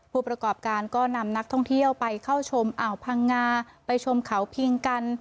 ผู้ประกอบการก็นำนักท่องเที่ยวไปเข้าชมอ่าวพังงาไปชมเขาพิงกัน